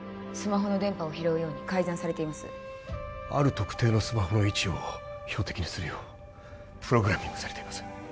スマホの電波を拾うように改ざんされていますある特定のスマホの位置を標的にするようプログラミングされています